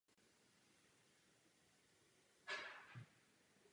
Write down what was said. V současné době skupina pokračuje jen ve třech.